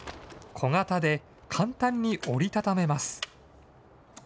小型で簡単に折り畳めます。